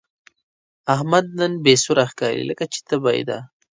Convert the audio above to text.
احمد نن بې سوره ښکاري، لکه چې تبه یې ده.